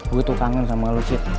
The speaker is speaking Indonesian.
gue tuh kangen sama lo cik